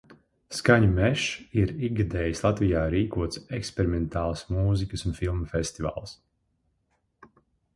Skaņu mežs ir ikgadējis Latvijā rīkots eksperimentālās mūzikas un filmu festivāls.